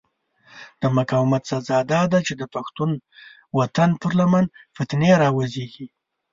د مقاومت سزا داده چې د پښتون وطن پر لمن فتنې را وزېږي.